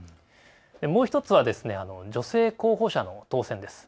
もう１つは女性候補者の当選です。